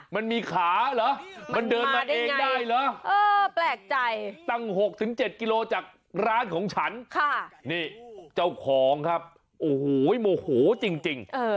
มันมีขาเหรอมันเดินมาเองได้เหรอเออแปลกใจตั้ง๖๗กิโลจากร้านของฉันนี่เจ้าของครับโอ้โหโมโหจริง